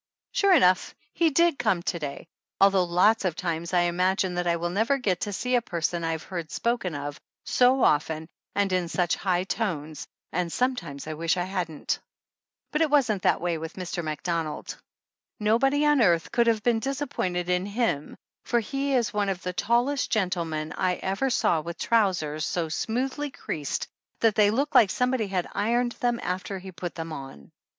Sure enough he did come to day, although lots of times I imagine that I never will get to see a person I ha ir e heard spoken of so often and in such high tones and sometimes I wish I hadn't. But it wasn't that way with Mr. Mac donald. Nobody on earth could have been dis appointed in him for he is one of the tallest gentlemen I ever saw with trousers so smoothly creased that they look like somebody had ironed them after he put them on.